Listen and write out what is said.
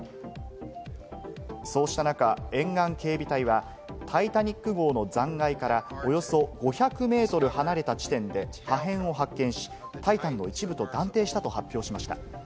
そうした中、沿岸警備隊はタイタニック号の残骸からおよそ５００メートル離れた地点で破片を発見し、タイタンの一部と断定したと発表しました。